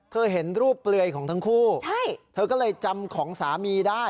เห็นรูปเปลือยของทั้งคู่เธอก็เลยจำของสามีได้